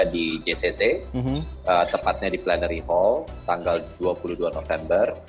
jadi jcc tepatnya di plenary hall tanggal dua puluh dua november